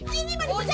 ini ini mandi puse